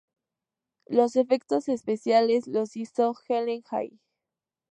Los efectos especiales los hizo Allen Hall.